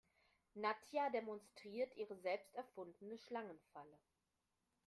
Nadja demonstriert ihre selbst erfundene Schlangenfalle.